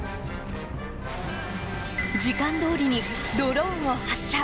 時間どおりにドローンを発射。